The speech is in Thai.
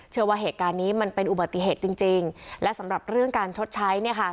เชื่อว่าเหตุการณ์นี้มันเป็นอุบัติเหตุจริงจริงและสำหรับเรื่องการชดใช้เนี่ยค่ะ